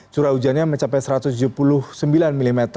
curah hujannya mencapai satu ratus tujuh puluh sembilan mm